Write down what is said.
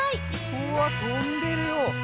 うわっとんでるよ。